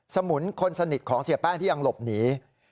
สมุนคนสนิทของเสียแป้งที่ยังหลบหนี